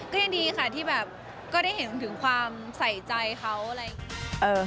ก็ยังดีค่ะที่แบบก็ได้เห็นถึงความใส่ใจเขาอะไรอย่างนี้